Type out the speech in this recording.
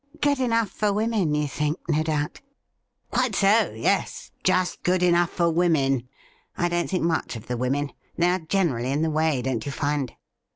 ' Good enough for women, you think, no doubt ?'' Quite so ; yes. Just good enough for women. I don't think much of the women. They are generally in the way, don't you find